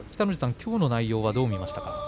きょうの内容はどうでしょう？